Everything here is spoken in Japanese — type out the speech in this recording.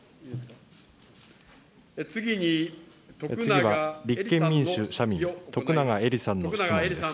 次は、立憲民主・社民、徳永エリさんの質問です。